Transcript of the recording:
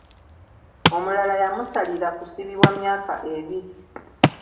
Omulala yamusalira kusibibwa myaka ebiri.